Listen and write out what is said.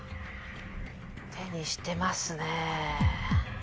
手にしてますね。